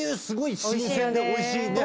すごい新鮮でおいしい。